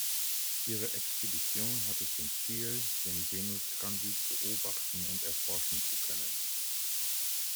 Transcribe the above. Ihre Expedition hatte zum Ziel, den Venustransit beobachten und erforschen zu können.